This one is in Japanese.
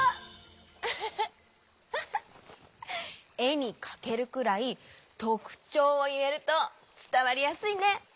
ウフフえにかけるくらいとくちょうをいえるとつたわりやすいね。